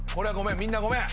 みんなごめん！